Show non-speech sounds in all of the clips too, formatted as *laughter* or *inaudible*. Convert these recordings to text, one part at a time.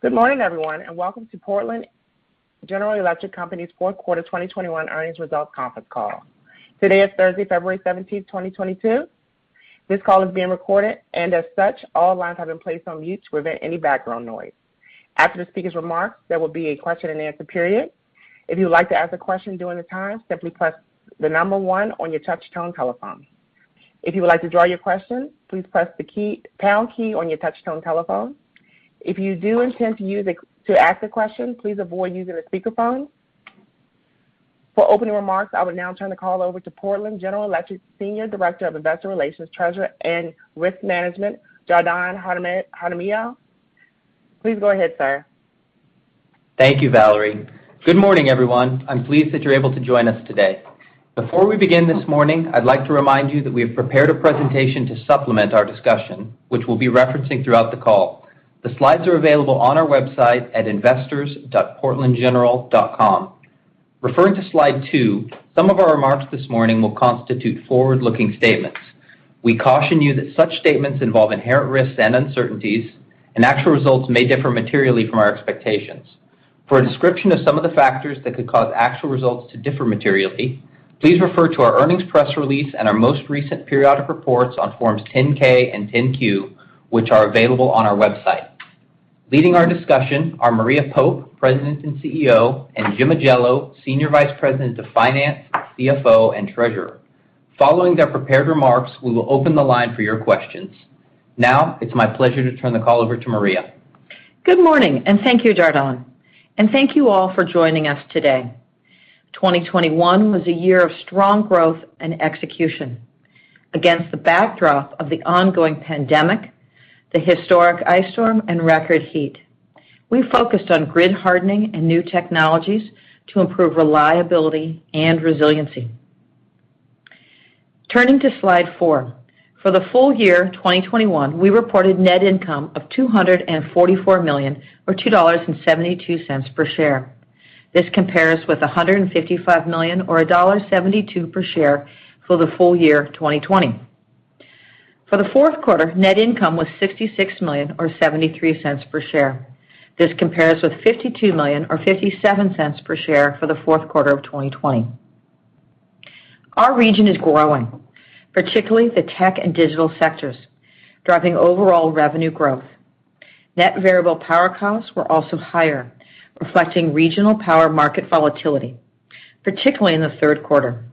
Good morning, everyone, and welcome to Portland General Electric Company's Q4 2021 earnings results conference call. Today is Thursday, February 17, 2022. This call is being recorded, and as such, all lines have been placed on mute to prevent any background noise. After the speaker's remarks, there will be a question-and-answer period. If you would like to ask a question during the time, simply press 1 on your touchtone telephone. If you would like to withdraw your question, please press the pound key on your touchtone telephone. If you do intend to ask a question, please avoid using a speakerphone. For opening remarks, I will now turn the call over to Portland General Electric Senior Director of Investor Relations, Treasurer, and Risk Management, Jardon Jaramillo. Please go ahead, sir. Thank you, Valerie. Good morning, everyone. I'm pleased that you're able to join us today. Before we begin this morning, I'd like to remind you that we have prepared a presentation to supplement our discussion, which we'll be referencing throughout the call. The slides are available on our website at investors.portlandgeneral.com. Referring to slide two, some of our remarks this morning will constitute forward-looking statements. We caution you that such statements involve inherent risks and uncertainties, and actual results may differ materially from our expectations. For a description of some of the factors that could cause actual results to differ materially, please refer to our earnings press release and our most recent periodic reports on forms 10-K and 10-Q, which are available on our website. Leading our discussion are Maria Pope, President and CEO, and Jim Ajello, Senior Vice President of Finance, CFO, and Treasurer. Following their prepared remarks, we will open the line for your questions. Now it's my pleasure to turn the call over to Maria Pope. Good morning, and thank you, Jardon. Thank you all for joining us today. 2021 was a year of strong growth and execution against the backdrop of the ongoing pandemic, the historic ice storm, and record heat. We focused on grid hardening and new technologies to improve reliability and resiliency. Turning to slide four. For the full year 2021, we reported net income of $244 million or $2.72 per share. This compares with $155 million or $1.72 per share for the full year of 2020. For the fourth quarter, net income was $66 million or $0.73 per share. This compares with $52 million or $0.57 per share for the fourth quarter of 2020. Our region is growing, particularly the tech and digital sectors, driving overall revenue growth. Net variable power costs were also higher, reflecting regional power market volatility, particularly in the third quarter.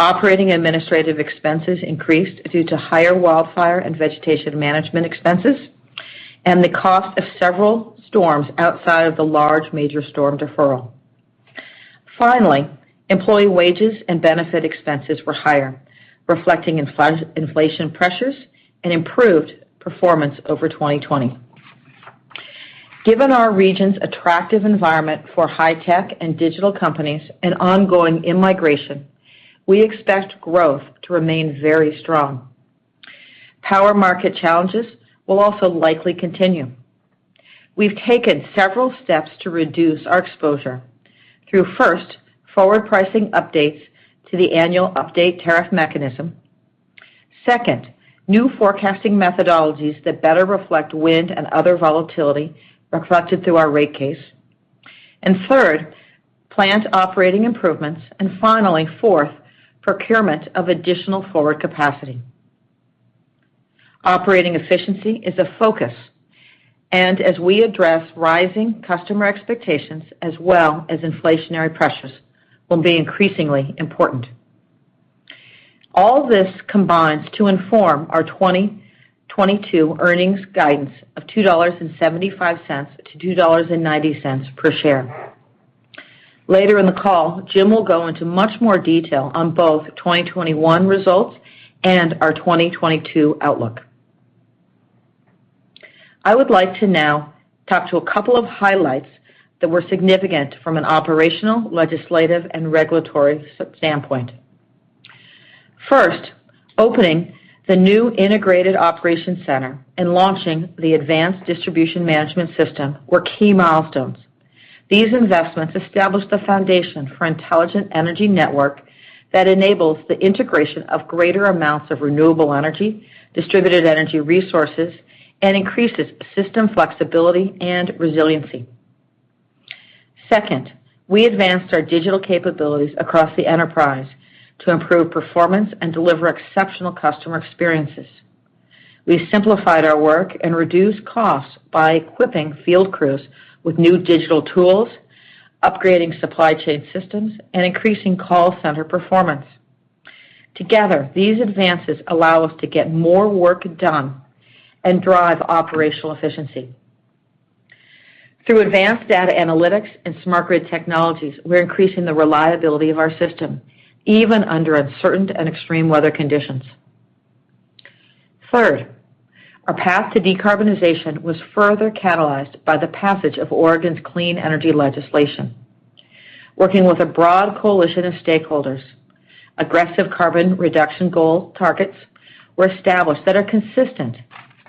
Operating administrative expenses increased due to higher wildfire and vegetation management expenses and the cost of several storms outside of the large major storm deferral. Finally, employee wages and benefit expenses were higher, reflecting inflation pressures and improved performance over 2020. Given our region's attractive environment for high-tech and digital companies and ongoing in-migration, we expect growth to remain very strong. Power market challenges will also likely continue. We've taken several steps to reduce our exposure through, first, forward pricing updates to the annual update tariff mechanism. Second, new forecasting methodologies that better reflect wind and other volatility reflected through our rate case, and third, plant operating improvements, and finally, fourth, procurement of additional forward capacity. Operating efficiency is a focus, and as we address rising customer expectations as well as inflationary pressures will be increasingly important. All this combines to inform our 2022 earnings guidance of $2.75-$2.90 per share. Later in the call, Jim will go into much more detail on both 2021 results and our 2022 outlook. I would like to now talk to a couple of highlights that were significant from an operational, legislative, and regulatory standpoint. First, opening the new Integrated Operations Center and launching the Advanced Distribution Management System were key milestones. These investments established the foundation for intelligent energy network that enables the integration of greater amounts of renewable energy, distributed energy resources, and increases system flexibility and resiliency. Second, we advanced our digital capabilities across the enterprise to improve performance and deliver exceptional customer experiences. We simplified our work and reduced costs by equipping field crews with new digital tools, upgrading supply chain systems, and increasing call center performance. Together, these advances allow us to get more work done and drive operational efficiency. Through advanced data analytics and smart grid technologies, we're increasing the reliability of our system, even under uncertain and extreme weather conditions. Third, our path to decarbonization was further catalyzed by the passage of Oregon's Clean Energy legislation. Working with a broad coalition of stakeholders, aggressive carbon reduction goal targets were established that are consistent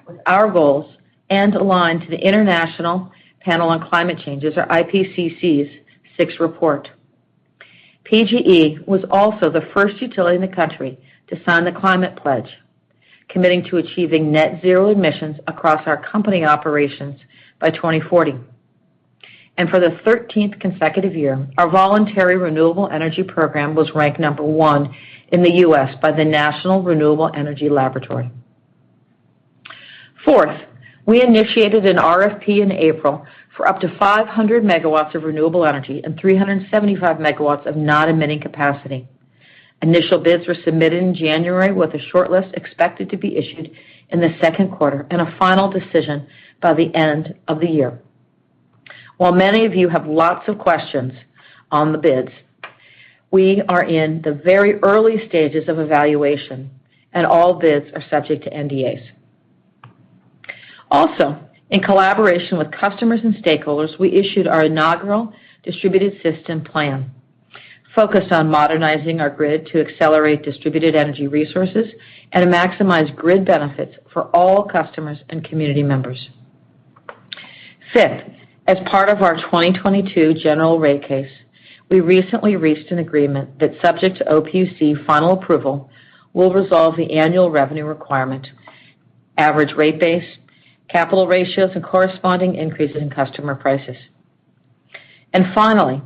with our goals and aligned to the International Panel on Climate Change, or IPCC's, sixth report. PGE was also the first utility in the country to sign The Climate Pledge, committing to achieving net zero emissions across our company operations by 2040. For the 13th consecutive year, our voluntary renewable energy program was ranked number 1 in the U.S. by the National Renewable Energy Laboratory. Fourth, we initiated an RFP in April for up to 500 MW of renewable energy and 375 MW of non-emitting capacity. Initial bids were submitted in January with a short list expected to be issued in the second quarter and a final decision by the end of the year. While many of you have lots of questions on the bids, we are in the very early stages of evaluation and all bids are subject to NDAs. Also, in collaboration with customers and stakeholders, we issued our inaugural Distribution System Plan focused on modernizing our grid to accelerate distributed energy resources and maximize grid benefits for all customers and community members. Fifth, as part of our 2022 general rate case, we recently reached an agreement that, subject to OPUC final approval, will resolve the annual revenue requirement, average rate base, capital ratios, and corresponding increases in customer prices. Finally,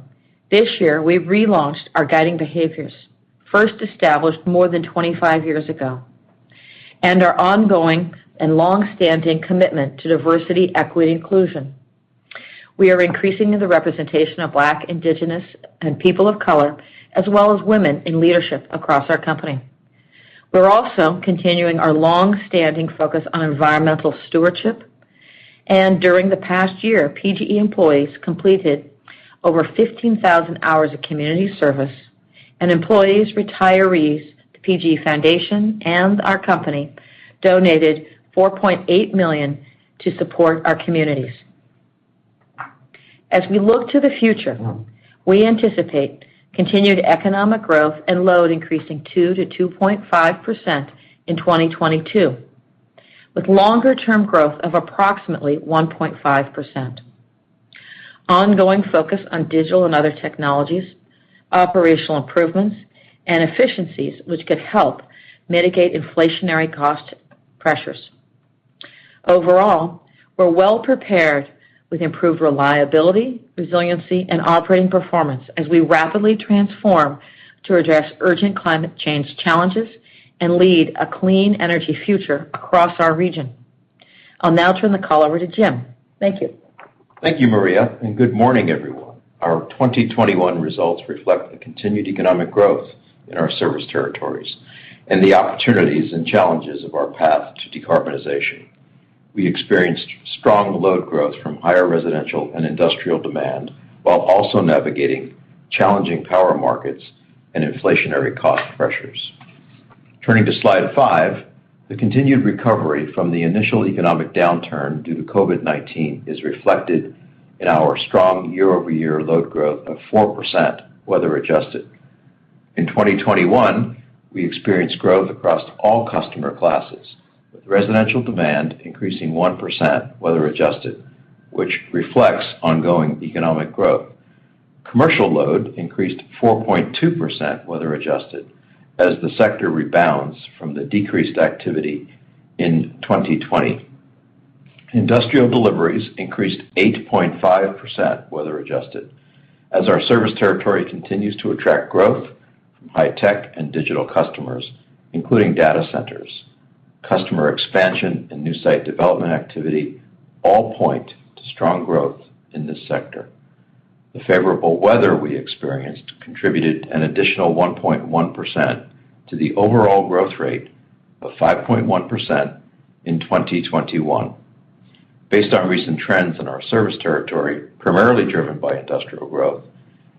this year we relaunched our guiding behaviors, first established more than 25 years ago, and our ongoing and long-standing commitment to diversity, equity, inclusion. We are increasing the representation of Black, Indigenous, and people of color, as well as women in leadership across our company. We're also continuing our long-standing focus on environmental stewardship. During the past year, PGE employees completed over 15,000 hours of community service. Employees, retirees, the PGE Foundation, and our company donated $4.8 million to support our communities. As we look to the future, we anticipate continued economic growth and load increasing 2%-2.5% in 2022, with longer-term growth of approximately 1.5%. Ongoing focus on digital and other technologies, operational improvements, and efficiencies which could help mitigate inflationary cost pressures. Overall, we're well prepared with improved reliability, resiliency, and operating performance as we rapidly transform to address urgent climate change challenges and lead a clean energy future across our region. I'll now turn the call over to Jim. Thank you. Thank you, Maria, and good morning, everyone. Our 2021 results reflect the continued economic growth in our service territories and the opportunities and challenges of our path to decarbonization. We experienced strong load growth from higher residential and industrial demand, while also navigating challenging power markets and inflationary cost pressures. Turning to slide five. The continued recovery from the initial economic downturn due to COVID-19 is reflected in our strong year-over-year load growth of 4%, weather-adjusted. In 2021, we experienced growth across all customer classes, with residential demand increasing 1%, weather-adjusted, which reflects ongoing economic growth. Commercial load increased 4.2%, weather-adjusted, as the sector rebounds from the decreased activity in 2020. Industrial deliveries increased 8.5%, weather-adjusted, as our service territory continues to attract growth from high-tech and digital customers, including data centers. Customer expansion and new site development activity all point to strong growth in this sector. The favorable weather we experienced contributed an additional 1.1% to the overall growth rate of 5.1% in 2021. Based on recent trends in our service territory, primarily driven by industrial growth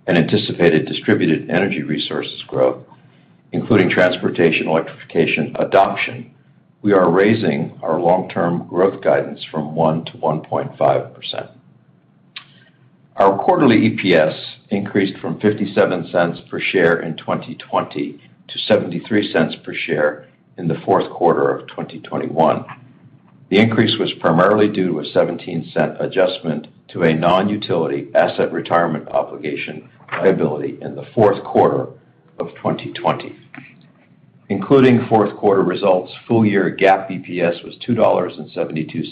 and anticipated distributed energy resources growth, including transportation, electrification, adoption, we are raising our long-term growth guidance from 1%-1.5%. Our quarterly EPS increased from $0.57 per share in 2020 to $0.73 per share in the fourth quarter of 2021. The increase was primarily due to a $0.17 adjustment to a non-utility asset retirement obligation liability in the fourth quarter of 2021. Including fourth quarter results, full-year GAAP EPS was $2.72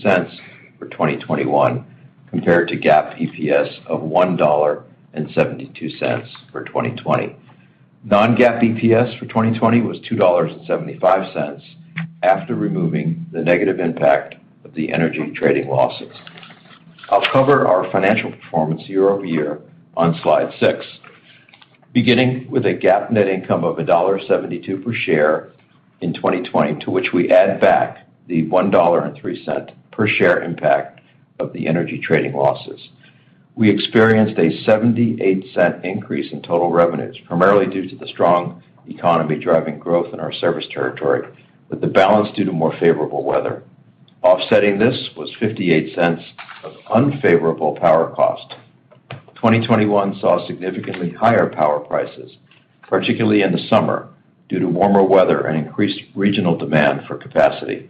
for 2021 compared to GAAP EPS of $1.72 for 2020. Non-GAAP EPS for 2020 was $2.75 after removing the negative impact of the energy trading losses. I'll cover our financial performance year-over-year on slide six. Beginning with a GAAP net income of $1.72 per share in 2020, to which we add back the $1.03 per share impact of the energy trading losses. We experienced a $0.78 increase in total revenues, primarily due to the strong economy driving growth in our service territory, with the balance due to more favorable weather. Offsetting this was $0.58 of unfavorable power cost. 2021 saw significantly higher power prices, particularly in the summer, due to warmer weather and increased regional demand for capacity.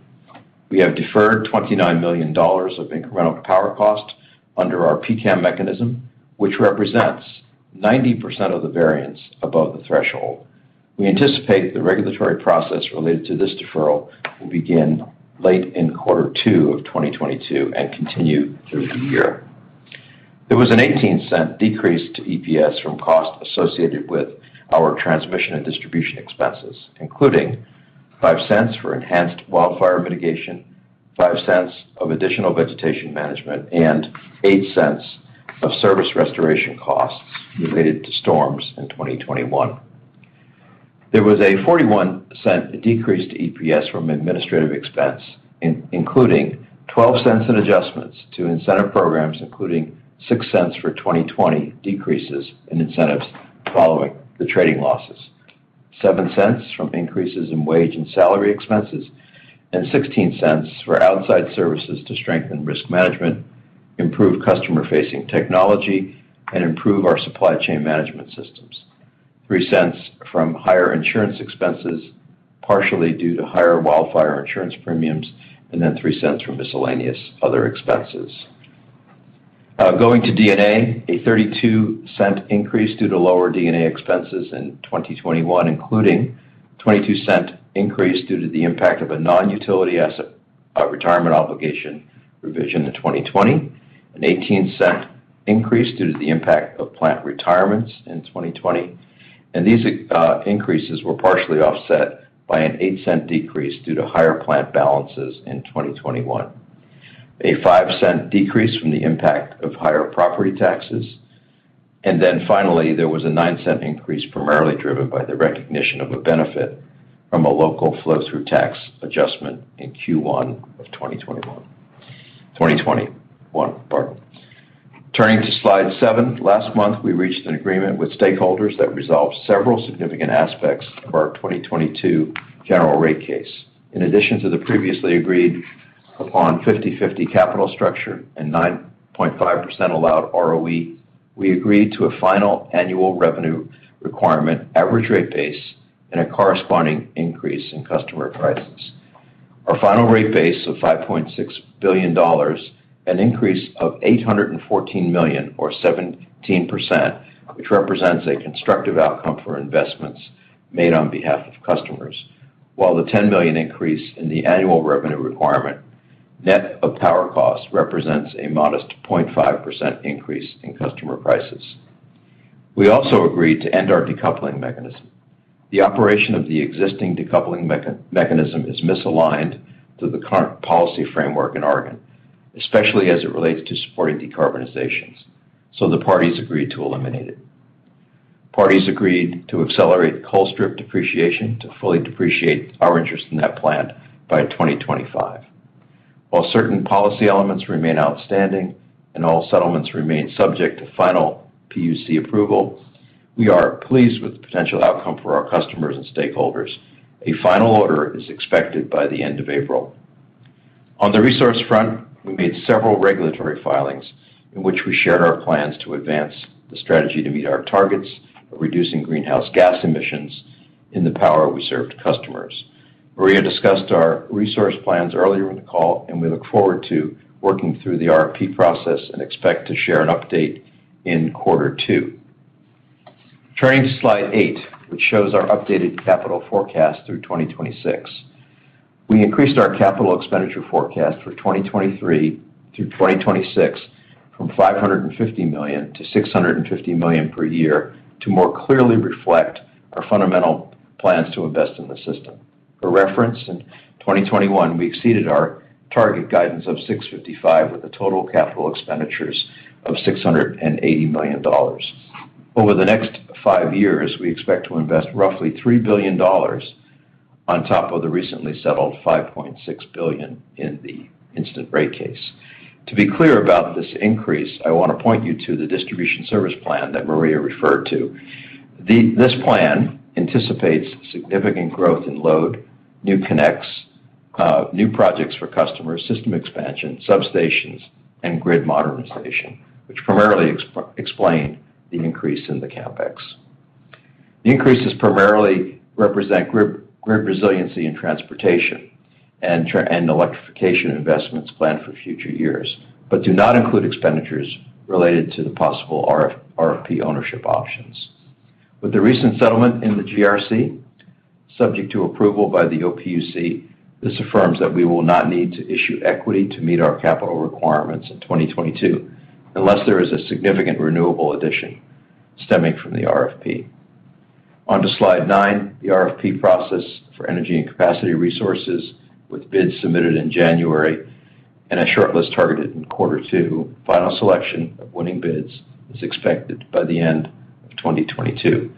We have deferred $29 million of incremental power cost under our PCAM mechanism, which represents 90% of the variance above the threshold. We anticipate the regulatory process related to this deferral will begin late in quarter two of 2022 and continue through the year. There was a $0.18 decrease to EPS from costs associated with our transmission and distribution expenses, including $0.05 for enhanced wildfire mitigation, $0.05 of additional vegetation management, and $0.08 of service restoration costs related to storms in 2021. There was a $0.41 decrease to EPS from administrative expense, including $0.12 in adjustments to incentive programs, including $0.06 for 2020 decreases in incentives following the trading losses. $0.07 from increases in wage and salary expenses, and $0.16 for outside services to strengthen risk management, improve customer-facing technology, and improve our supply chain management systems. $0.03 from higher insurance expenses, partially due to higher wildfire insurance premiums, and then $0.03 from miscellaneous other expenses. Going to D&A, a $0.32 increase due to lower D&A expenses in 2021, including $0.22 increase due to the impact of a non-utility asset, retirement obligation revision in 2020. An $0.18 increase due to the impact of plant retirements in 2020. These increases were partially offset by an $0.08 decrease due to higher plant balances in 2021. A $0.05 decrease from the impact of higher property taxes. Finally, there was a $0.09 increase primarily driven by the recognition of a benefit from a local flow-through tax adjustment in Q1 of 2021. Turning to slide seven. Last month, we reached an agreement with stakeholders that resolved several significant aspects of our 2022 general rate case. In addition to the previously agreed upon 50/50 capital structure and 9.5% allowed ROE, we agreed to a final annual revenue requirement, average rate base, and a corresponding increase in customer prices. Our final rate base of $5.6 billion, an increase of $814 million or 17%, which represents a constructive outcome for investments made on behalf of customers. While the $10 million increase in the annual revenue requirement, net of power costs, represents a modest 0.5% increase in customer prices. We also agreed to end our decoupling mechanism. The operation of the existing decoupling mechanism is misaligned to the current policy framework in Oregon, especially as it relates to supporting decarbonization. The parties agreed to eliminate it. Parties agreed to accelerate Colstrip depreciation to fully depreciate our interest in that plant by 2025. While certain policy elements remain outstanding and all settlements remain subject to final PUC approval, we are pleased with the potential outcome for our customers and stakeholders. A final order is expected by the end of April. On the resource front, we made several regulatory filings in which we shared our plans to advance the strategy to meet our targets of reducing greenhouse gas emissions in the power we serve to customers. Maria discussed our resource plans earlier in the call, and we look forward to working through the RFP process and expect to share an update in quarter two. Turning to slide eight, which shows our updated capital forecast through 2026. We increased our capital expenditure forecast for 2023 through 2026 from $550 million-$650 million per year to more clearly reflect our fundamental plans to invest in the system. For reference, in 2021, we exceeded our target guidance of $655 million with the total capital expenditures of $680 million. Over the next five years, we expect to invest roughly $3 billion on top of the recently settled $5.6 billion in the instant rate case. To be clear about this increase, I want to point you to the Distribution System Plan that Maria referred to. This plan anticipates significant growth in load, new connects, new projects for customers, system expansion, substations, and grid modernization, which primarily explain the increase in the CapEx. The increases primarily represent grid resiliency and transportation and electrification investments planned for future years, but do not include expenditures related to the possible RFP ownership options. With the recent settlement in the GRC, subject to approval by the OPUC, this affirms that we will not need to issue equity to meet our capital requirements in 2022, unless there is a significant renewable addition stemming from the RFP. On to slide nine, the RFP process for energy and capacity resources with bids submitted in January and a shortlist targeted in quarter two. Final selection of winning bids is expected by the end of 2022.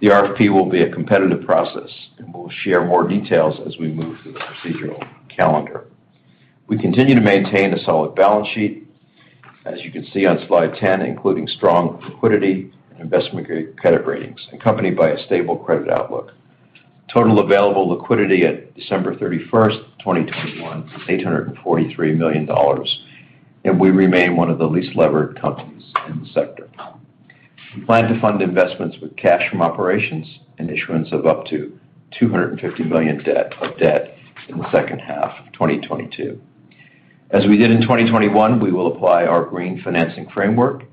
The RFP will be a competitive process, and we'll share more details as we move through the procedural calendar. We continue to maintain a solid balance sheet, as you can see on slide 10, including strong liquidity and investment-grade credit ratings, accompanied by a stable credit outlook. Total available liquidity at December 31st, 2021 is $843 million, and we remain one of the least levered companies in the sector. We plan to fund investments with cash from operations and issuance of up to $250 million of debt in the second half of 2022. As we did in 2021, we will apply our Green Financing Framework,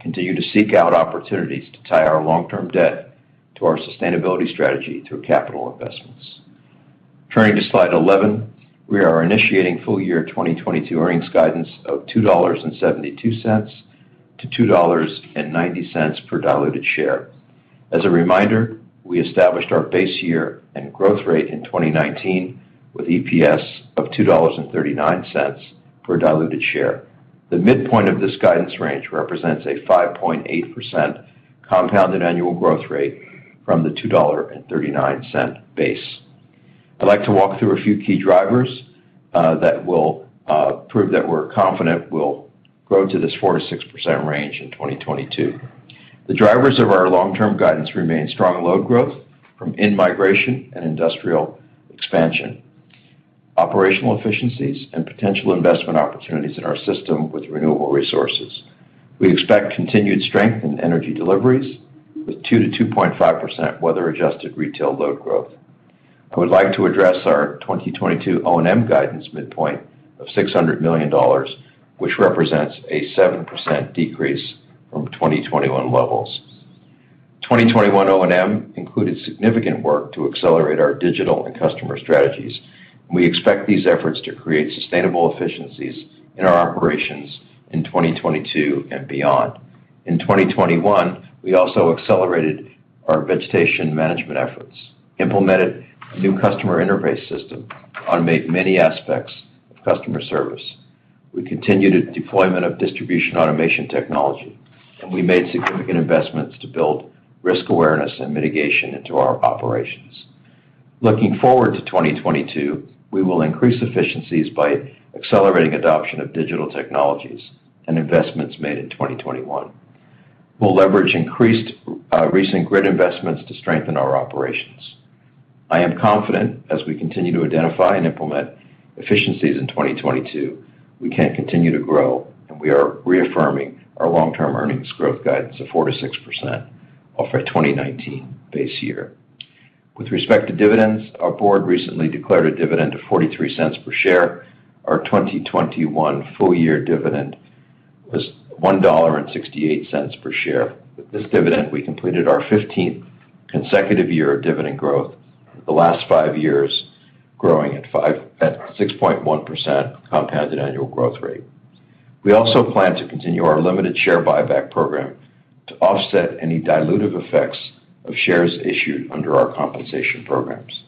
continue to seek out opportunities to tie our long-term debt to our sustainability strategy through capital investments. Turning to slide 11. We are initiating full year 2022 earnings guidance of $2.72-$2.90 per diluted share. As a reminder, we established our base year and growth rate in 2019 with EPS of $2.39 per diluted share. The midpoint of this guidance range represents a 5.8% compounded annual growth rate from the $2.39 base. I'd like to walk through a few key drivers that will prove that we're confident we'll grow to this 4%-6% range in 2022. The drivers of our long-term guidance remain strong load growth from in-migration and industrial expansion, operational efficiencies, and potential investment opportunities in our system with renewable resources. We expect continued strength in energy deliveries with 2%-2.5% weather-adjusted retail load growth. I would like to address our 2022 O&M guidance midpoint of $600 million, which represents a 7% decrease from 2021 levels. 2021 O&M included significant work to accelerate our digital and customer strategies. We expect these efforts to create sustainable efficiencies in our operations in 2022 and beyond. In 2021, we also accelerated our vegetation management efforts, implemented a new customer interface system to automate many aspects of customer service. We continued deployment of distribution automation technology, and we made significant investments to build risk awareness and mitigation into our operations. Looking forward to 2022, we will increase efficiencies by accelerating adoption of digital technologies and investments made in 2021. We'll leverage increased recent grid investments to strengthen our operations. I am confident as we continue to identify and implement efficiencies in 2022, we can continue to grow, and we are reaffirming our long-term earnings growth guidance of 4%-6% off our 2019 base year. With respect to dividends, our board recently declared a dividend of $0.43 per share. Our 2021 full year dividend was $1.68 per share. With this dividend, we completed our 15th consecutive year of dividend growth, the last five years growing at 6.1% compounded annual growth rate. We also plan to continue our limited share buyback program to offset any dilutive effects of shares issued under our compensation programs.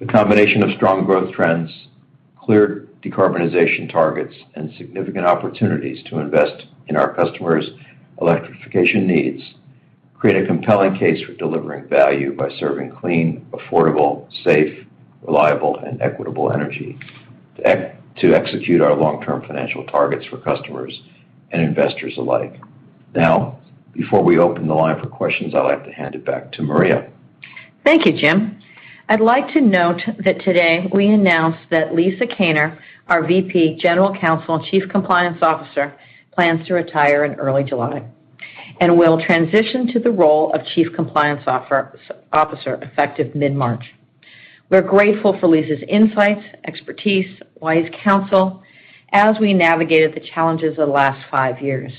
The combination of strong growth trends, clear decarbonization targets, and significant opportunities to invest in our customers' electrification needs create a compelling case for delivering value by serving clean, affordable, safe, reliable, and equitable energy to execute our long-term financial targets for customers and investors alike. Now, before we open the line for questions, I'd like to hand it back to Maria. Thank you, Jim. I'd like to note that today we announced that Lisa Kaner, our VP General Counsel and Chief Compliance Officer, plans to retire in early July and will transition to the role of Chief Compliance Officer effective mid-March. We're grateful for Lisa's insights, expertise, wise counsel as we navigated the challenges of the last five years.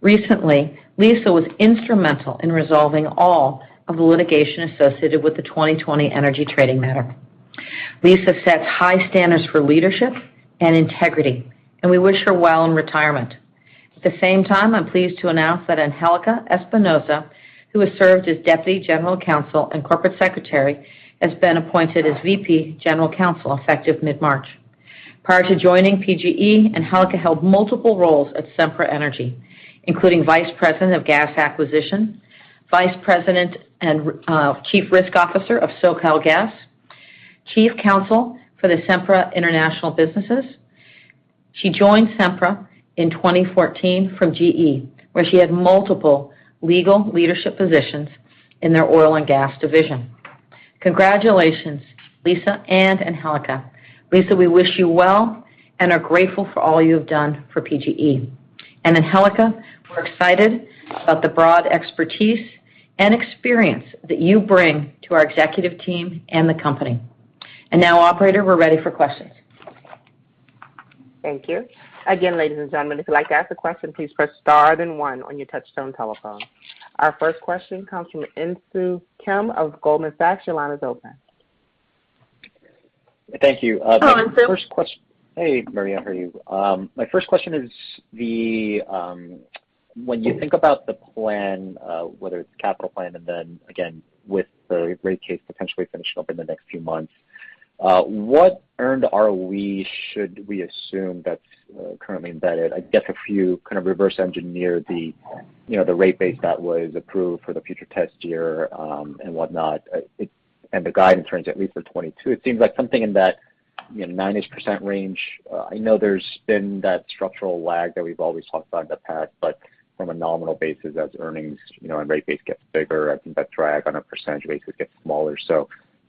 Recently, Lisa was instrumental in resolving all of the litigation associated with the 2020 energy trading matter. Lisa sets high standards for leadership and integrity, and we wish her well in retirement. At the same time, I'm pleased to announce that Angelica Espinosa, who has served as Deputy General Counsel and Corporate Secretary, has been appointed as VP General Counsel effective mid-March. Prior to joining PGE, Angelica held multiple roles at Sempra Energy, including Vice President of Gas Acquisition, Vice President and Chief Risk Officer of SoCalGas, Chief Counsel for the Sempra International businesses. She joined Sempra in 2014 from GE, where she had multiple legal leadership positions in their oil and gas division. Congratulations, Lisa and Angelica. Lisa, we wish you well and are grateful for all you have done for PGE. Angelica, we're excited about the broad expertise and experience that you bring to our executive team and the company. Now, operator, we're ready for questions. Thank you. Again, ladies and gentlemen, if you'd like to ask a question, please press star then one on your touchtone telephone. Our first question comes from Insoo Kim of Goldman Sachs. Your line is open. Thank you. Hello, Insoo. Hey, Maria, how are you? My first question is, when you think about the plan, whether it's capital plan and then again with the rate case potentially finishing up in the next few months, what earned ROE should we assume that's currently embedded? I guess if you kind of reverse engineer the, you know, the rate base that was approved for the future test year, and whatnot, the guidance turns at least for 2022, it seems like something in that, you know, 9%-ish range. I know there's been that structural lag that we've always talked about in the past, but from a nominal basis as earnings, you know, and rate base gets bigger, I think that drag on a percentage basis gets smaller.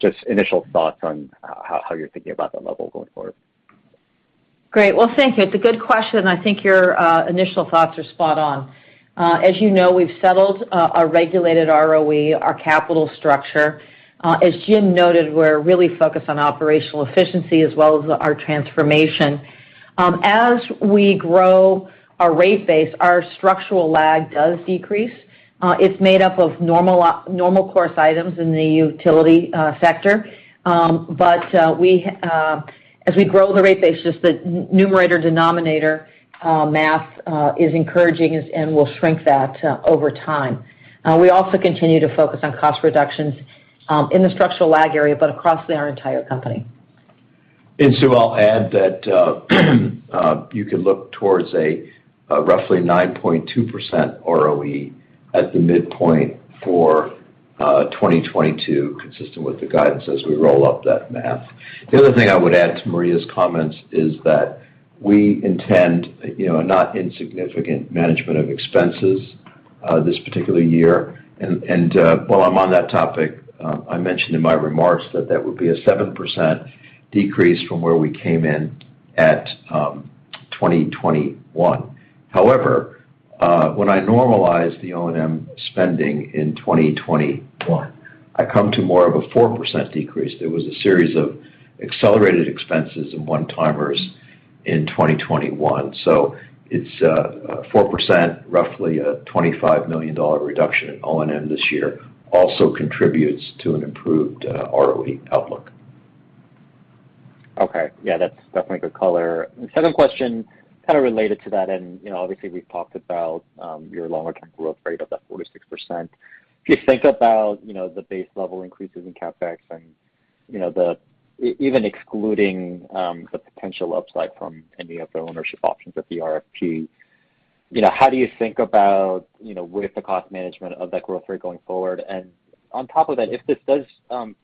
Just initial thoughts on how you're thinking about that level going forward. Great. Well, thank you. It's a good question, and I think your initial thoughts are spot on. As you know, we've settled our regulated ROE, our capital structure. As Jim noted, we're really focused on operational efficiency as well as our transformation. As we grow our rate base, our structural lag does decrease. It's made up of normal course items in the utility sector. We as we grow the rate base, just the numerator denominator math is encouraging us and will shrink that over time. We also continue to focus on cost reductions in the structural lag area, but across our entire company. I'll add that you could look towards roughly 9.2% ROE at the midpoint for 2022, consistent with the guidance as we roll up that math. The other thing I would add to Maria's comments is that we intend, you know, a not insignificant management of expenses this particular year. While I'm on that topic, I mentioned in my remarks that that would be a 7% decrease from where we came in at 2021. However, when I normalize the O&M spending in 2021, I come to more of a 4% decrease. There was a series of accelerated expenses and one-timers in 2021. It's 4%, roughly a $25 million reduction in O&M this year also contributes to an improved ROE outlook. Okay. Yeah. That's definitely good color. The second question kind of related to that, and, you know, obviously, we've talked about your longer-term growth rate of that 4%-6%. If you think about, you know, the base level increases in CapEx and, you know, even excluding the potential upside from any of the ownership options at the RFP, you know, how do you think about, you know, with the cost management of that growth rate going forward? If this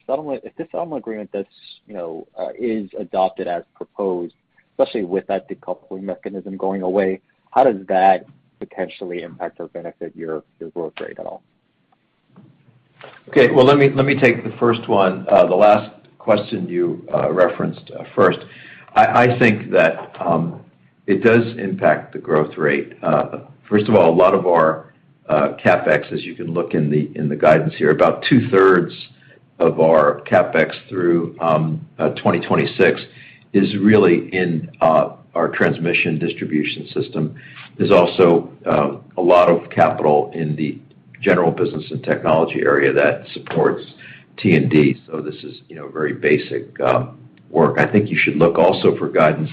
settlement agreement does, you know, is adopted as proposed, especially with that decoupling mechanism going away, how does that potentially impact or benefit your growth rate at all? Okay. Well, let me take the first one. The last question you referenced first. I think that it does impact the growth rate. First of all, a lot of our CapEx, as you can look in the guidance here, about two-thirds of our CapEx through 2026 is really in our transmission distribution system. There's also a lot of capital in the general business and technology area that supports T&D. This is, you know, very basic work. I think you should look also for guidance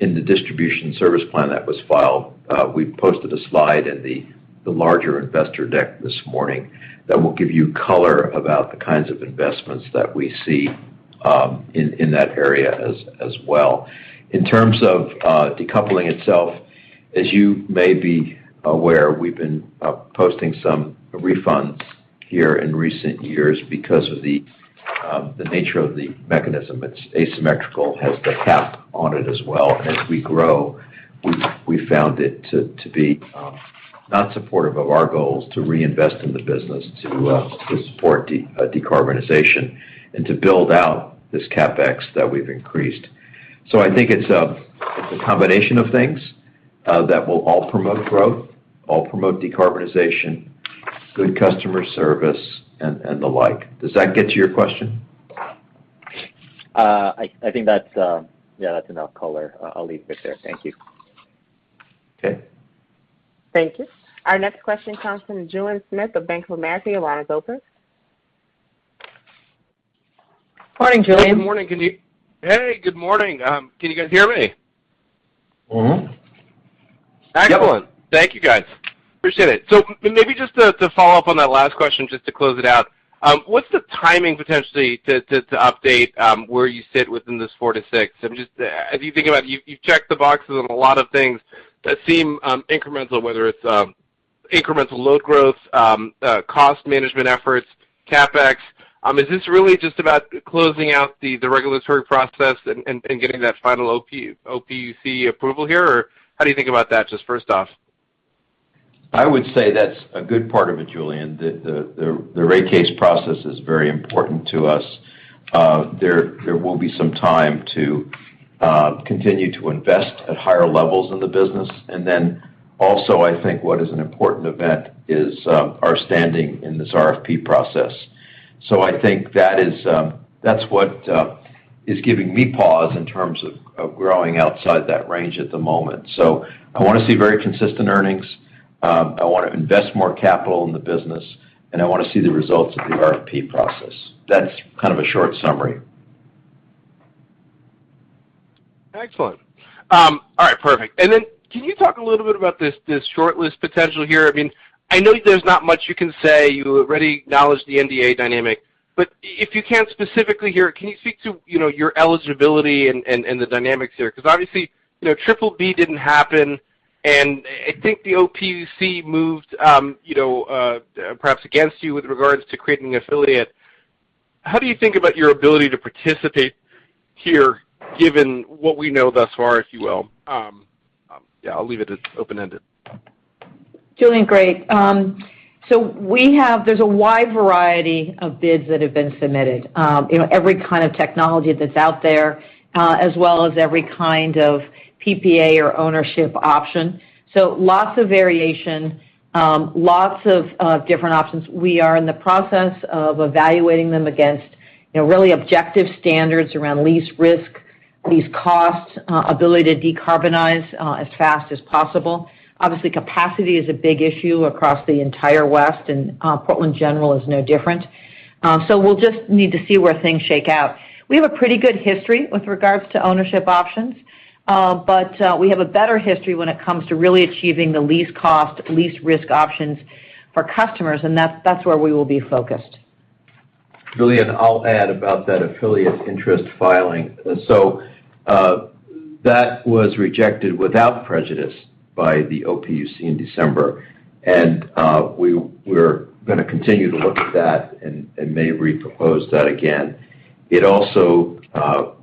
in the Distribution System Plan that was filed. We posted a slide in the larger investor deck this morning that will give you color about the kinds of investments that we see in that area as well. In terms of decoupling itself, as you may be aware, we've been posting some refunds here in recent years because of the nature of the mechanism. It's asymmetrical, has the cap on it as well. As we grow, we found it to be not supportive of our goals to reinvest in the business to support decarbonization and to build out this CapEx that we've increased. I think it's a combination of things that will all promote growth, all promote decarbonization, good customer service, and the like. Does that get to your question? I think that's enough color. Yeah, that's enough color. I'll leave it there. Thank you. Okay. Thank you. Our next question comes from Julien Dumoulin-Smith of Bank of America. Your line is open. Morning, Julien. Good morning. Hey, good morning. Can you guys hear me? Mm-hmm. Excellent. Thank you, guys. Appreciate it. Maybe just to follow up on that last question, just to close it out. What's the timing potentially to update where you sit within this 4%-6%? As you think about, you've checked the boxes on a lot of things that seem incremental, whether it's incremental load growth, cost management efforts, CapEx. Is this really just about closing out the regulatory process and getting that final OPUC approval here, or how do you think about that, just first off? I would say that's a good part of it, Julien. The rate case process is very important to us. There will be some time to continue to invest at higher levels in the business. I think what is an important event is our standing in this RFP process. I think that's what is giving me pause in terms of growing outside that range at the moment. I wanna see very consistent earnings. I wanna invest more capital in the business, and I wanna see the results of the RFP process. That's kind of a short summary. Excellent. All right, perfect. Can you talk a little bit about this shortlist potential here? I mean, I know there's not much you can say. You already acknowledged the NDA dynamic. If you can specifically here, can you speak to, you know, your eligibility and the dynamics here? Because obviously, you know, BBB didn't happen, and I think the OPUC moved, you know, perhaps against you with regards to creating an affiliate. How do you think about your ability to participate here, given what we know thus far, if you will? Yeah, I'll leave it as open-ended. Julien, great. There's a wide variety of bids that have been submitted, you know, every kind of technology that's out there, as well as every kind of PPA or ownership option. Lots of variation, lots of different options. We are in the process of evaluating them against, you know, really objective standards around least risk, least costs, ability to decarbonize, as fast as possible. Obviously, capacity is a big issue across the entire West, and Portland General is no different. We'll just need to see where things shake out. We have a pretty good history with regards to ownership options, but we have a better history when it comes to really achieving the least cost, least risk options for customers, and that's where we will be focused. Julien, I'll add about that affiliate interest filing. That was rejected without prejudice by the OPUC in December. We're gonna continue to look at that and may re-propose that again. It also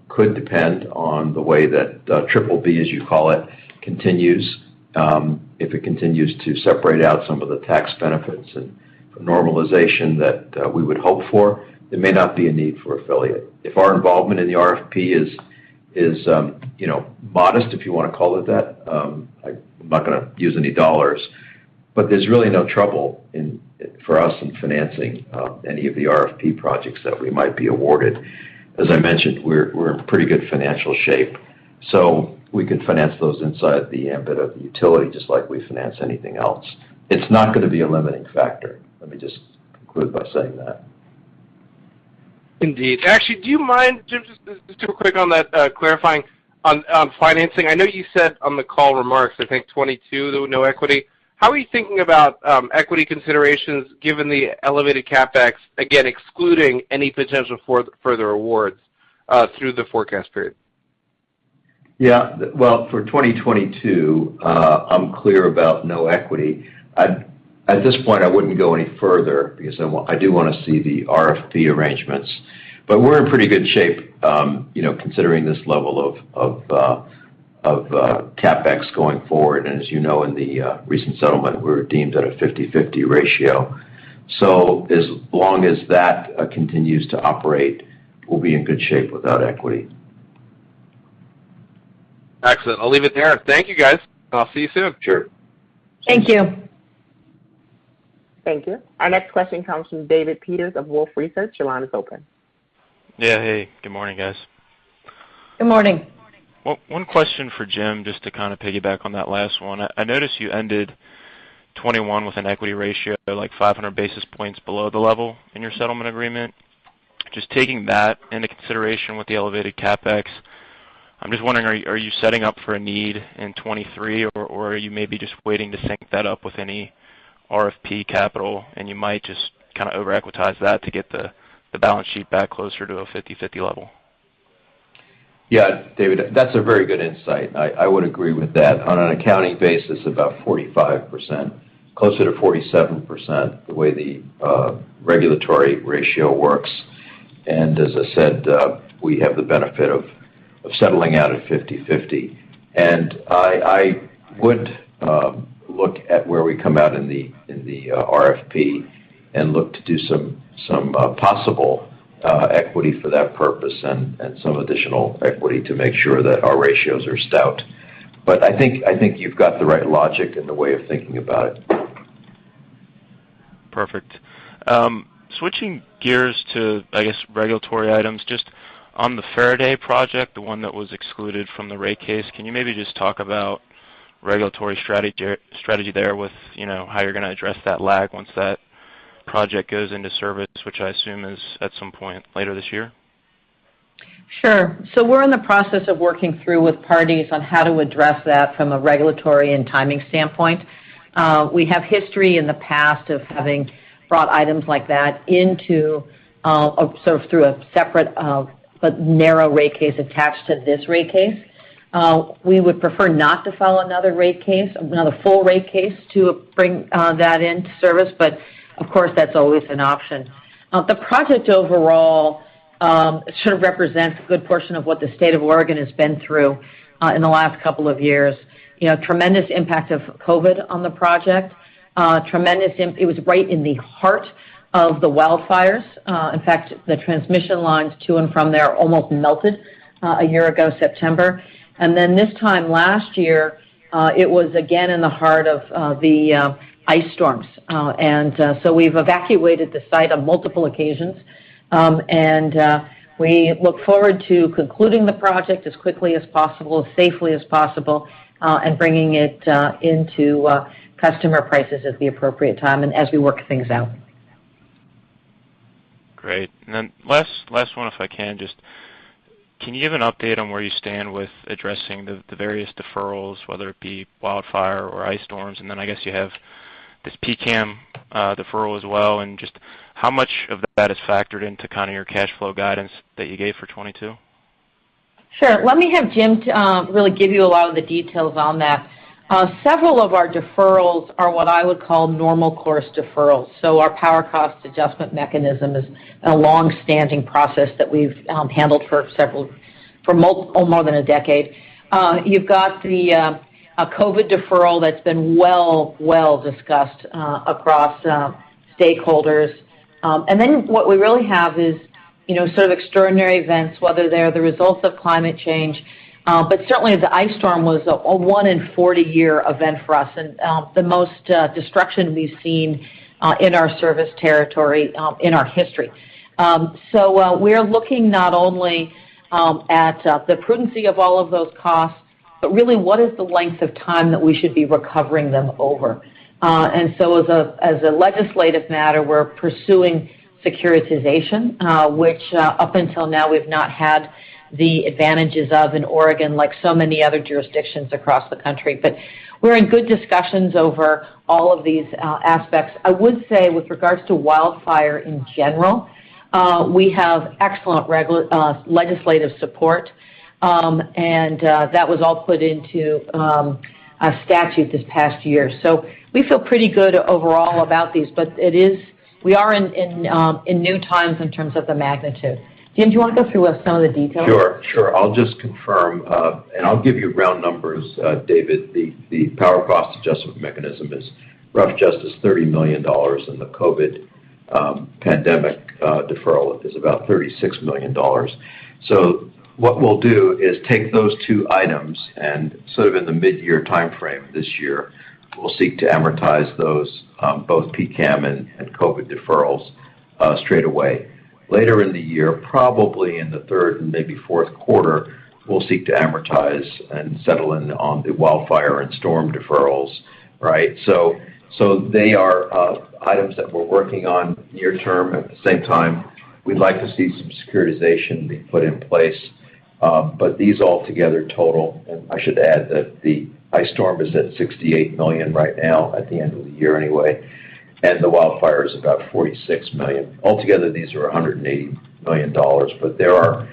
could depend on the way that BBB, as you call it, continues. If it continues to separate out some of the tax benefits and normalization that we would hope for, there may not be a need for affiliate. If our involvement in the RFP is, you know, modest, if you wanna call it that, I'm not gonna use any dollars, but there's really no trouble for us in financing any of the RFP projects that we might be awarded. As I mentioned, we're in pretty good financial shape, so we could finance those inside the ambit of the utility just like we finance anything else. It's not gonna be a limiting factor. Let me just conclude by saying that. Indeed. Actually, do you mind, Jim, just real quick on that, clarifying on financing. I know you said on the call remarks, I think 2022, there were no equity. How are you thinking about equity considerations given the elevated CapEx, again, excluding any potential for further awards through the forecast period? Yeah. Well, for 2022, I'm clear about no equity. At this point, I wouldn't go any further because I do wanna see the RFP arrangements. We're in pretty good shape, you know, considering this level of CapEx going forward. As you know, in the recent settlement, we're deemed at a 50/50 ratio. As long as that continues to operate, we'll be in good shape without equity. Excellent. I'll leave it there. Thank you, guys. I'll see you soon. Sure. Thank you. Thank you. Our next question comes from David Peters of Wolfe Research. Your line is open. Yeah. Hey, good morning, guys. Good morning. One question for Jim, just to kind of piggyback on that last one. I noticed you ended 2021 with an equity ratio, like 500 basis points below the level in your settlement agreement. Just taking that into consideration with the elevated CapEx, I'm just wondering, are you setting up for a need in 2023, or are you maybe just waiting to sync that up with any RFP capital, and you might just kind of over-equitize that to get the balance sheet back closer to a 50/50 level? Yeah. David, that's a very good insight. I would agree with that. On an accounting basis, about 45%, closer to 47%, the way the regulatory ratio works. As I said, we have the benefit of settling out at 50/50. I would look at where we come out in the RFP and look to do some possible equity for that purpose and some additional equity to make sure that our ratios are stout. I think you've got the right logic in the way of thinking about it. Perfect. Switching gears to, I guess, regulatory items. Just on the Faraday project, the one that was excluded from the rate case, can you maybe just talk about regulatory strategy there with, you know, how you're gonna address that lag once that project goes into service, which I assume is at some point later this year? We're in the process of working through with parties on how to address that from a regulatory and timing standpoint. We have history in the past of having brought items like that into or sort of through a separate but narrow rate case attached to this rate case. We would prefer not to file another rate case, another full rate case to bring that into service. Of course, that's always an option. The project overall sort of represents a good portion of what the state of Oregon has been through in the last couple of years. You know, tremendous impact of COVID on the project. It was right in the heart of the wildfires. In fact, the transmission lines to and from there almost melted a year ago, September. This time last year, it was again in the heart of the ice storms. We've evacuated the site on multiple occasions. We look forward to concluding the project as quickly as possible, as safely as possible, and bringing it into customer prices at the appropriate time and as we work things out. Great. Last one, if I can just. Can you give an update on where you stand with addressing the various deferrals, whether it be wildfire or ice storms? I guess you have this PCAM deferral as well, and just how much of that is factored into kind of your cash flow guidance that you gave for 2022? Sure. Let me have Jim really give you a lot of the details on that. Several of our deferrals are what I would call normal course deferrals. Our power cost adjustment mechanism is a longstanding process that we've handled for more than a decade. You've got the COVID deferral that's been well discussed across stakeholders. Then what we really have is you know, sort of extraordinary events, whether they're the results of climate change. Certainly the ice storm was a one-in-40-year event for us and the most destruction we've seen in our service territory in our history. We're looking not only at the prudence of all of those costs, but really what is the length of time that we should be recovering them over. As a legislative matter, we're pursuing securitization, which up until now we've not had the advantages of in Oregon, like so many other jurisdictions across the country. We're in good discussions over all of these aspects. I would say with regards to wildfire in general, we have excellent legislative support, and that was all put into a statute this past year. We feel pretty good overall about these. We are in new times in terms of the magnitude. Jim, do you wanna go through some of the details? Sure. I'll just confirm, and I'll give you round numbers, David. The power cost adjustment mechanism is roughly just $30 million, and the COVID pandemic deferral is about $36 million. What we'll do is take those two items, and sort of in the mid-year timeframe this year, we'll seek to amortize those, both PCAM and COVID deferrals, straight away. Later in the year, probably in the third and maybe fourth quarter, we'll seek to amortize and settle in on the wildfire and storm deferrals, right. They are items that we're working on near term. At the same time, we'd like to see some securitization being put in place. These all together total, and I should add that the ice storm is at $68 million right now at the end of the year anyway, and the wildfire is about $46 million. Altogether, these are $180 million, but there are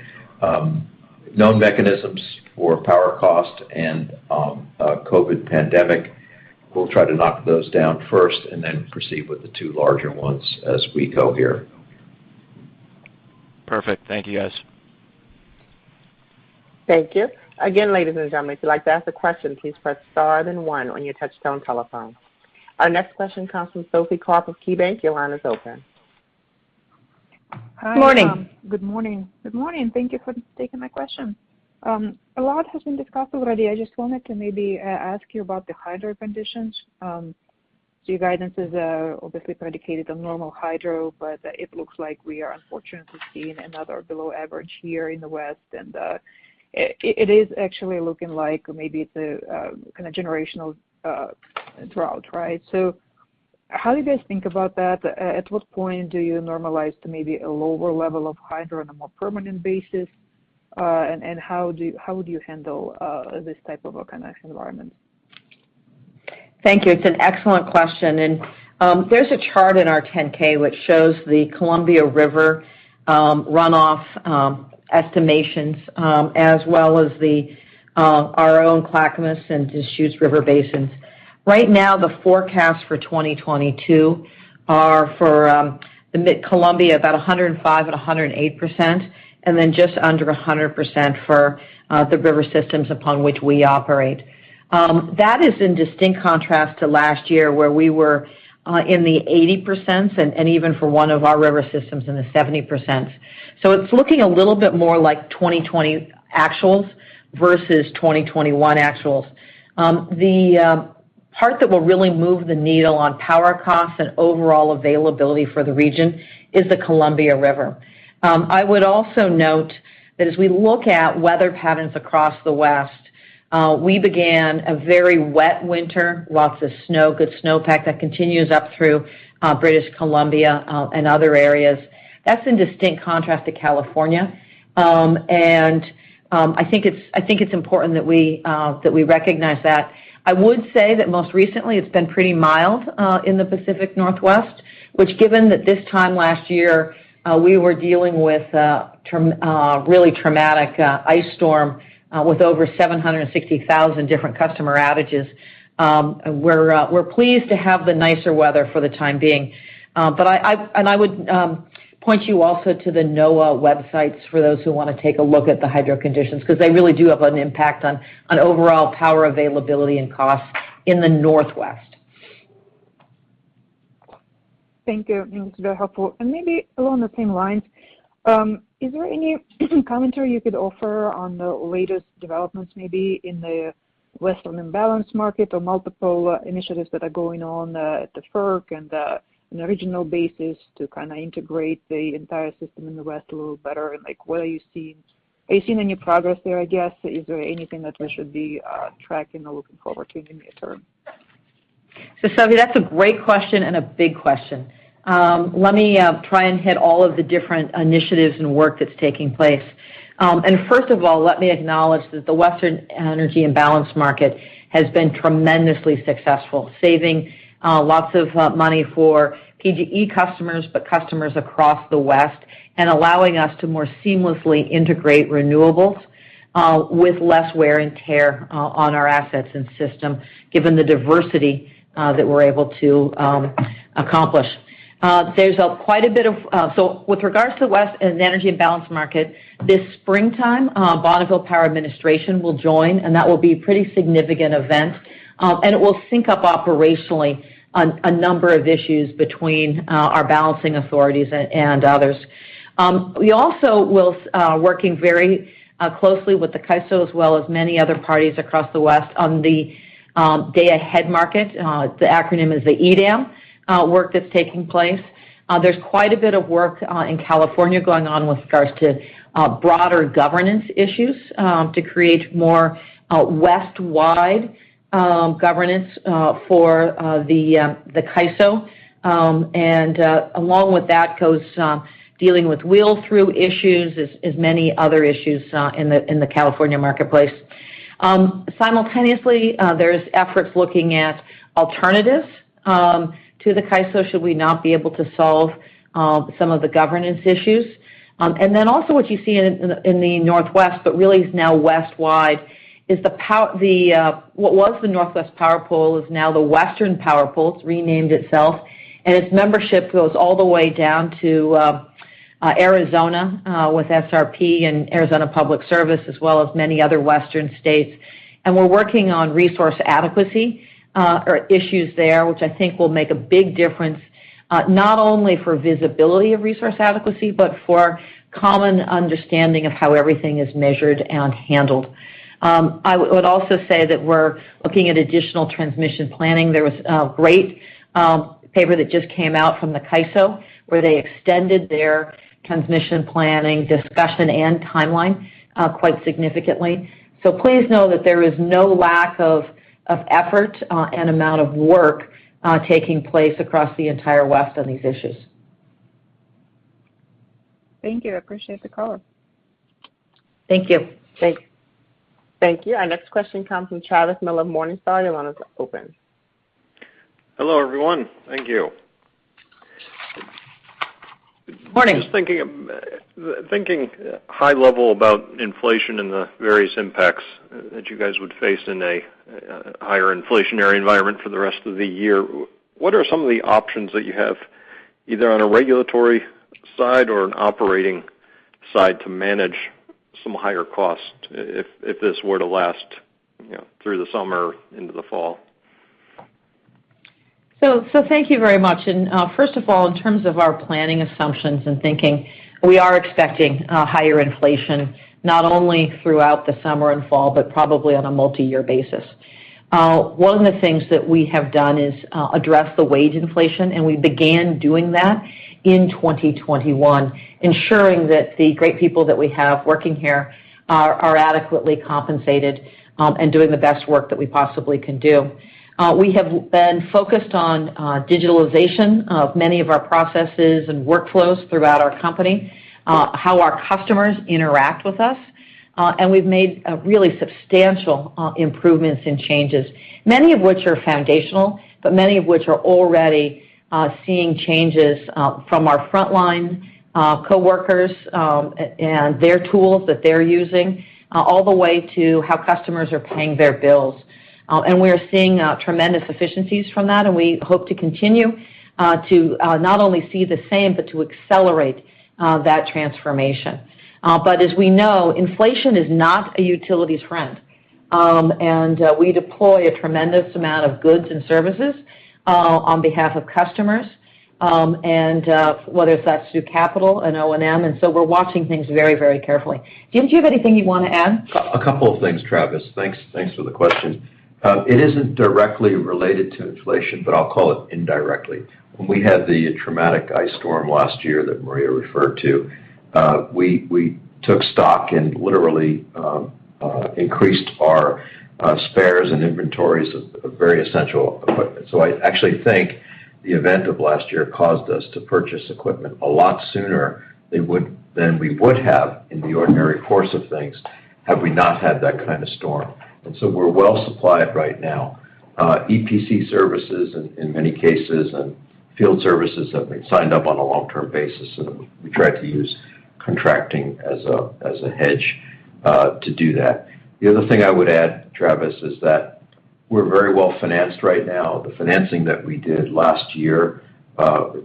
known mechanisms for power cost and COVID pandemic. We'll try to knock those down first and then proceed with the two larger ones as we go here. Perfect. Thank you, guys. Thank you. Again, ladies and gentlemen, if you'd like to ask a question, please press star then one on your touchtone telephone. Our next question comes from Sophie Karp of KeyBanc. Your line is open. Hi. Good morning. Good morning. Good morning. Thank you for taking my question. A lot has been discussed already. I just wanted to maybe ask you about the hydro conditions. Your guidance is obviously predicated on normal hydro, but it looks like we are unfortunately seeing another below average year in the West, and it is actually looking like maybe it's a kinda generational drought, right? How do you guys think about that? At what point do you normalize to maybe a lower level of hydro on a more permanent basis? And how do you handle this type of a kind of environment? Thank you. It's an excellent question. There's a chart in our 10-K, which shows the Columbia River runoff estimations as well as our own Clackamas and Deschutes River basins. Right now, the forecast for 2022 are for the mid-Columbia, about 105% and 108%, and then just under 100% for the river systems upon which we operate. That is in distinct contrast to last year, where we were in the 80%s and even for one of our river systems in the 70%s. It's looking a little bit more like 2020 actuals versus 2021 actuals. The part that will really move the needle on power costs and overall availability for the region is the Columbia River. I would also note that as we look at weather patterns across the West, we began a very wet winter, lots of snow, good snow pack that continues up through British Columbia and other areas. That's in distinct contrast to California. I think it's important that we recognize that. I would say that most recently it's been pretty mild in the Pacific Northwest, which, given that this time last year we were dealing with a really traumatic ice storm with over 760,000 different customer outages. We're pleased to have the nicer weather for the time being. I would point you also to the NOAA websites for those who wanna take a look at the hydro conditions because they really do have an impact on overall power availability and costs in the Northwest. Thank you. It was very helpful. Maybe along the same lines, is there any commentary you could offer on the latest developments, maybe in the Western Imbalance Market or multiple initiatives that are going on, at the FERC and, on a regional basis to kinda integrate the entire system in the West a little better? Like, what are you seeing? Are you seeing any progress there, I guess? Is there anything that we should be tracking or looking forward to in the near term? Sophie, that's a great question and a big question. Let me try and hit all of the different initiatives and work that's taking place. First of all, let me acknowledge that the Western Energy Imbalance Market has been tremendously successful, saving lots of money for PGE customers, but customers across the West, and allowing us to more seamlessly integrate renewables with less wear and tear on our assets and system, given the diversity that we're able to accomplish. There's quite a bit with regards to the Western Energy Imbalance Market, this springtime, Bonneville Power Administration will join, and that will be a pretty significant event. It will sync up operationally on a number of issues between our balancing authorities and others. We also will working very closely with the CAISO as well as many other parties across the West on the day-ahead market, the acronym is the EDAM, work that's taking place. There's quite a bit of work in California going on with regards to broader governance issues to create more West-wide governance for the CAISO. Along with that goes dealing with wheeling issues as many other issues in the California marketplace. Simultaneously, there's efforts looking at alternatives to the CAISO should we not be able to solve some of the governance issues. What you see in the Northwest, but really is now West-wide, is what was the Northwest Power Pool is now the Western Power Pool. It's renamed itself, and its membership goes all the way down to Arizona with SRP and Arizona Public Service, as well as many other Western states. We're working on resource adequacy or issues there, which I think will make a big difference not only for visibility of resource adequacy but for common understanding of how everything is measured and handled. I would also say that we're looking at additional transmission planning. There was a great paper that just came out from the CAISO, where they extended their transmission planning discussion and timeline quite significantly. Please know that there is no lack of effort and amount of work taking place across the entire West on these issues. Thank you. I appreciate the call. Thank you. Thanks. Thank you. Our next question comes from Travis Miller of Morningstar. Your line is open. Hello, everyone. Thank you. Morning. Just thinking high level about inflation and the various impacts that you guys would face in a higher inflationary environment for the rest of the year. What are some of the options that you have, either on a regulatory side or an operating side to manage some higher cost if this were to last, you know, through the summer into the fall? Thank you very much. First of all, in terms of our planning assumptions and thinking, we are expecting higher inflation, not only throughout the summer and fall, but probably on a multi-year basis. One of the things that we have done is address the wage inflation, and we began doing that in 2021, ensuring that the great people that we have working here are adequately compensated, and doing the best work that we possibly can do. We have been focused on digitalization of many of our processes and workflows throughout our company, how our customers interact with us, and we've made a really substantial improvements and changes. Many of which are foundational, but many of which are already seeing changes from our frontline coworkers and their tools that they're using all the way to how customers are paying their bills. We're seeing tremendous efficiencies from that, and we hope to continue to not only see the same, but to accelerate that transformation. As we know, inflation is not a utility's friend. We deploy a tremendous amount of goods and services on behalf of customers and whether that's through capital and O&M, so we're watching things very, very carefully. Jim, do you have anything you wanna add? A couple of things, Travis. Thanks for the question. It isn't directly related to inflation, but I'll call it indirectly. When we had the traumatic ice storm last year that Maria referred to, we took stock and literally increased our spares and inventories of very essential equipment. I actually think the event of last year caused us to purchase equipment a lot sooner than we would have in the ordinary course of things had we not had that kind of storm. We're well supplied right now. EPC services in many cases and field services have been signed up on a long-term basis, and we try to use contracting as a hedge to do that. The other thing I would add, Travis, is that we're very well financed right now. The financing that we did last year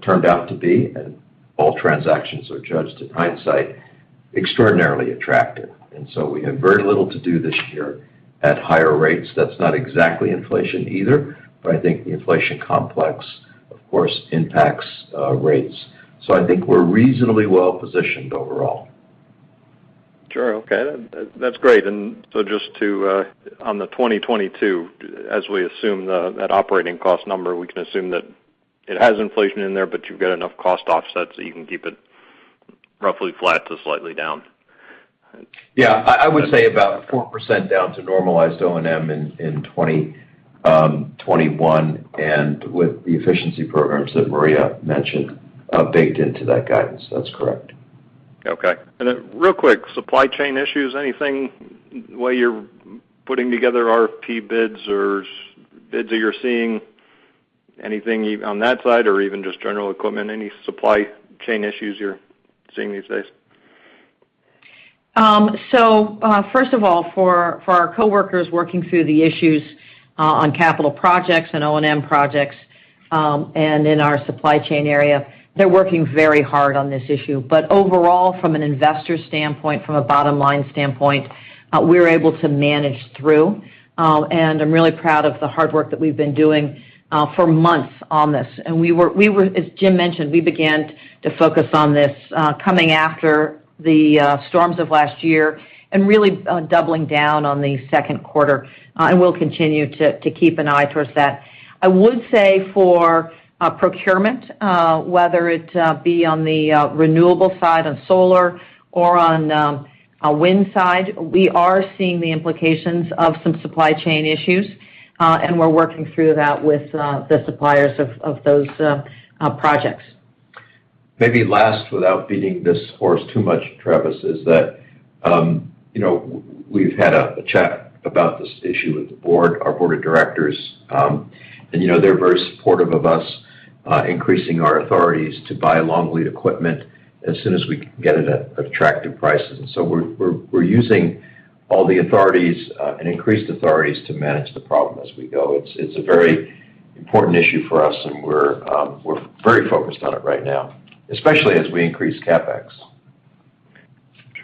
turned out to be, and all transactions are judged in hindsight, extraordinarily attractive. We have very little to do this year at higher rates. That's not exactly inflation either, but I think the inflation complex, of course, impacts rates. I think we're reasonably well positioned overall. Sure. Okay. That's great. Just to, on the 2022, as we assume that operating cost number, we can assume that it has inflation in there, but you've got enough cost offsets that you can keep it roughly flat to slightly down. Yeah. I would say about 4% down to normalized O&M in 2021 and with the efficiency programs that Maria mentioned baked into that guidance. That's correct. Okay. Real quick, supply chain issues. Anything, the way you're putting together RFP bids or bids that you're seeing, anything on that side or even just general equipment, any supply chain issues you're seeing these days? First of all, for our coworkers working through the issues on capital projects and O&M projects, and in our supply chain area, they're working very hard on this issue. Overall, from an investor standpoint, from a bottom-line standpoint, we're able to manage through, and I'm really proud of the hard work that we've been doing for months on this. We were as Jim mentioned, we began to focus on this coming after the storms of last year and really doubling down on the second quarter, and we'll continue to keep an eye towards that. I would say for procurement, whether it be on the renewable side on solar or on a wind side, we are seeing the implications of some supply chain issues, and we're working through that with the suppliers of those projects. Maybe last, without beating this horse too much, Travis, is that, you know, we've had a chat about this issue with the board, our board of directors, and, you know, they're very supportive of us increasing our authorities to buy long lead equipment as soon as we can get it at attractive prices. We're using all the authorities and increased authorities to manage the problem as we go. It's a very important issue for us, and we're very focused on it right now, especially as we increase CapEx.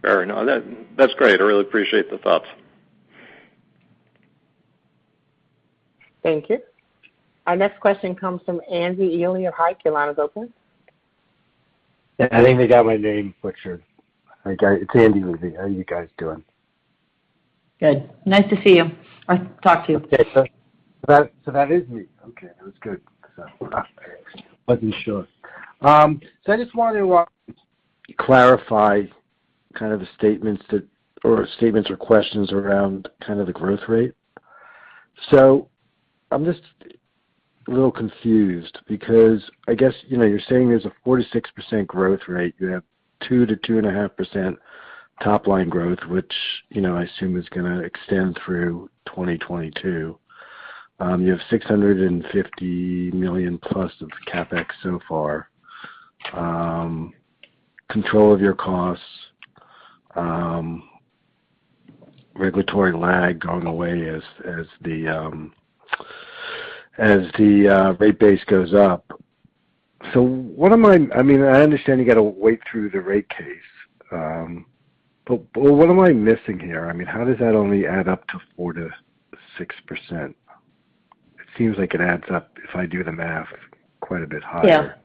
Sure. No, that's great. I really appreciate the thoughts. Thank you. Our next question comes from Andy *inaudible* of HITE Hedge Asset Management. I think they got my name butchered. Hi, guys, it's Andy Levi. How are you guys doing? Good. Nice to see you or talk to you. That is me. That's good because I wasn't sure. I just wanted to clarify kind of the statements or questions around kind of the growth rate. I'm just a little confused because I guess, you know, you're saying there's a 4%-6% growth rate. You have 2%-2.5% top line growth, which, you know, I assume is gonna extend through 2022. You have $650 million+ of CapEx so far, control of your costs, regulatory lag going away as the rate base goes up. I mean, I understand you got to wait through the rate case, but what am I missing here? I mean, how does that only add up to 4%-6%? It seems like it adds up, if I do the math, quite a bit higher.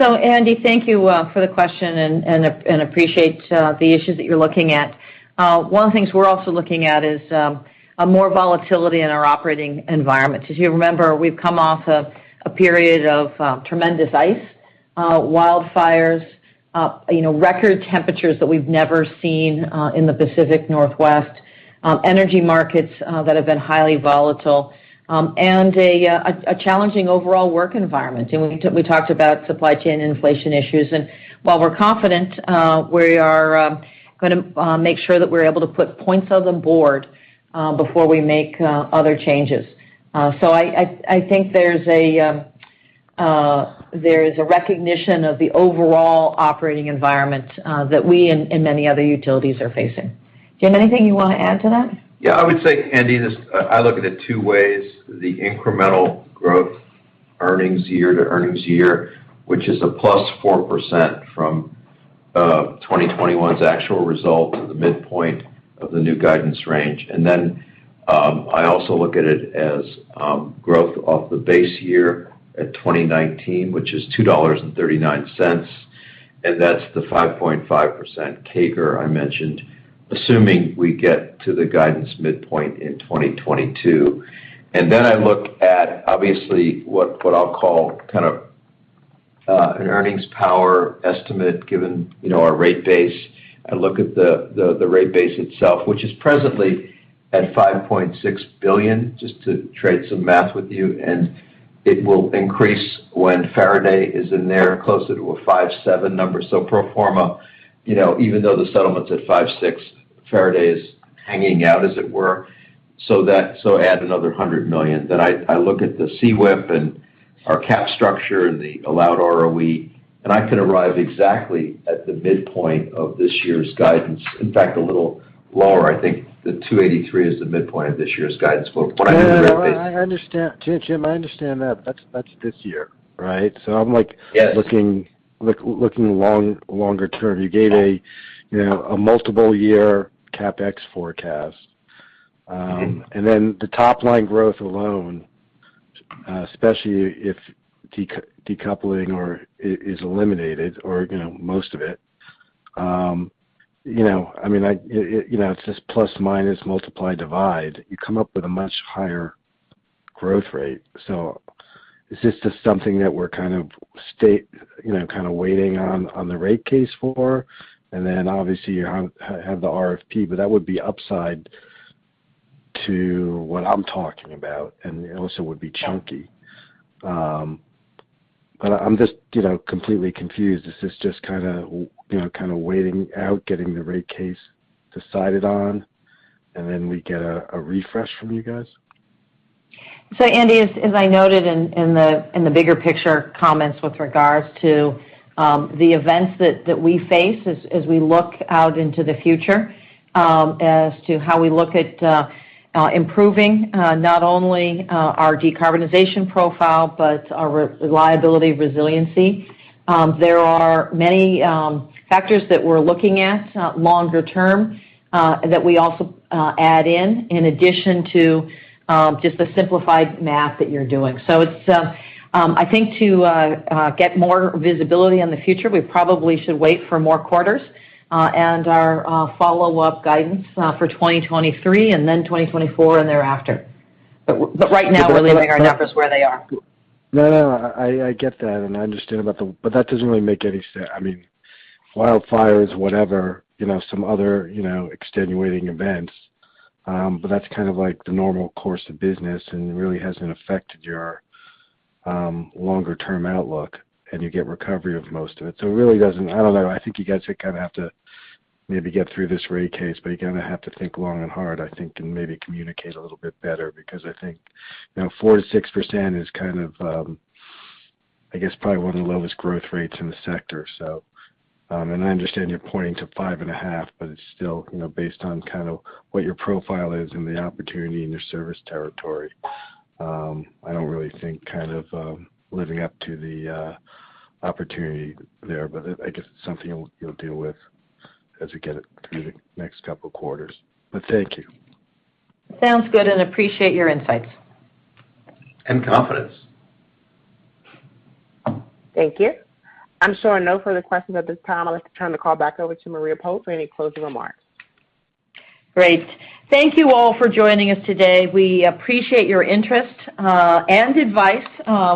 Yeah. Andy, thank you for the question and appreciate the issues that you're looking at. One of the things we're also looking at is a more volatility in our operating environment. As you remember, we've come off of a period of tremendous ice, wildfires, you know, record temperatures that we've never seen in the Pacific Northwest, energy markets that have been highly volatile, and a challenging overall work environment. You know, we talked about supply chain inflation issues. While we're confident, we are gonna make sure that we're able to put points on the board before we make other changes. I think there's a recognition of the overall operating environment that we and many other utilities are facing. Jim, anything you want to add to that? I would say, Andy, this, I look at it two ways, the incremental growth earnings year to earnings year, which is +4% from 2021's actual result to the midpoint of the new guidance range. I also look at it as growth off the base year at 2019, which is $2.39, and that's the 5.5% CAGR I mentioned, assuming we get to the guidance midpoint in 2022. I look at obviously what I'll call kind of an earnings power estimate given you know our rate base. I look at the rate base itself, which is presently at $5.6 billion, just to trade some math with you, and it will increase when Faraday is in there, closer to a $5.7 number. Pro forma, you know, even though the settlement's at 5.6%, ROE is hanging out as it were. Add another $100 million. I look at the CWIP and our cap structure and the allowed ROE, and I can arrive exactly at the midpoint of this year's guidance. In fact, a little lower. I think the $2.83 billion is the midpoint of this year's guidance for pro forma rate base. Yeah. I understand. Jim, I understand that, but that's this year, right? I'm like- Yes Looking longer term. You gave a multiple year CapEx forecast. The top line growth alone, especially if decoupling is eliminated or most of it, you know, I mean, it, you know, it's just plus minus, multiply, divide. You come up with a much higher growth rate. Is this just something that we're kind of sitting, you know, waiting on the rate case for? Obviously you have the RFP, but that would be upside to what I'm talking about, and also would be chunky. I'm just, you know, completely confused. Is this just kinda, you know, waiting out getting the rate case decided on, and then we get a refresh from you guys? Andy, as I noted in the bigger picture comments with regards to the events that we face as we look out into the future, as to how we look at improving not only our decarbonization profile, but our reliability, resiliency. There are many factors that we're looking at longer term that we also add in addition to just the simplified math that you're doing. It's I think to get more visibility on the future, we probably should wait for more quarters and our follow-up guidance for 2023 and then 2024 and thereafter. Right now we're leaving our numbers where they are. No. I get that and I understand about the. That doesn't really make any sense. I mean, wildfires, whatever, you know, some other, you know, extenuating events. That's kind of like the normal course of business, and it really hasn't affected your longer term outlook, and you get recovery of most of it. It really doesn't. I don't know. I think you guys are gonna have to maybe get through this rate case, but you're gonna have to think long and hard, I think, and maybe communicate a little bit better because I think, you know, 4%-6% is kind of, I guess probably one of the lowest growth rates in the sector. I understand you're pointing to 5.5%, but it's still, you know, based on kind of what your profile is and the opportunity in your service territory. I don't really think kind of living up to the opportunity there, but I guess it's something you'll deal with as we get it through the next couple of quarters. Thank you. Sounds good, and I appreciate your insights. Confidence. Thank you. I'm showing no further questions at this time. I'd like to turn the call back over to Maria Pope for any closing remarks. Great. Thank you all for joining us today. We appreciate your interest and advice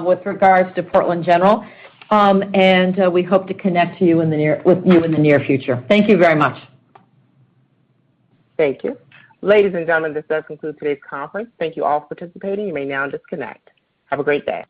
with regards to Portland General. We hope to connect with you in the near future. Thank you very much. Thank you. Ladies and gentlemen, this does conclude today's conference. Thank you all for participating. You may now disconnect. Have a great day.